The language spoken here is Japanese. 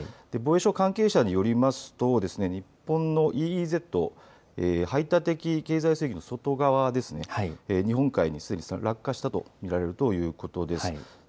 防衛省関係者によりますと日本のＥＥＺ・排他的経済水域の外側、日本海にすでに落下したと見られるということです。